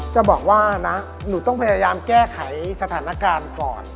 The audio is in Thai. จะบอกว่านะหนูต้องพยายามแก้ไขสถานการณ์ก่อน